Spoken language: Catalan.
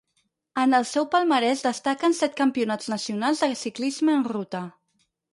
En el seu palmarès destaquen set campionats nacionals de ciclisme en ruta.